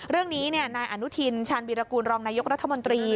เรื่องนี้นายอนุทินชาญวิรากูลรองนายกรัฐมนตรี